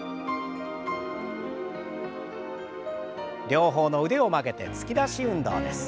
両方の腕を曲げて突き出し運動です。